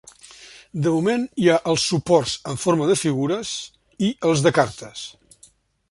De moment hi ha els suports en forma de figures i els de cartes.